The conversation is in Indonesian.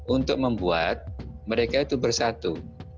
untuk membuat mereka bersatu